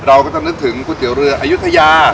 เราก็จะนึกถึงก๋วยเตี๋ยวเรืออายุทยา